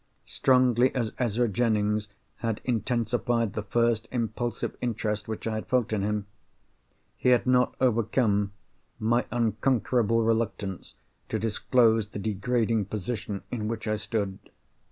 Strongly as Ezra Jennings had intensified the first impulsive interest which I had felt in him, he had not overcome my unconquerable reluctance to disclose the degrading position in which I stood.